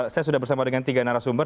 saya sudah bersama dengan tiga narasumber